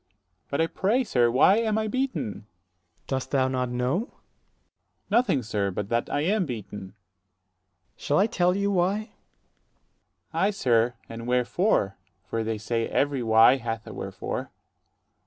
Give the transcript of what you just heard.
But, I pray, sir, why am I beaten? Ant. S. Dost thou not know? 40 Dro. S. Nothing, sir, but that I am beaten. Ant. S. Shall I tell you why? Dro. S. Ay, sir, and wherefore; for they say every why hath a wherefore.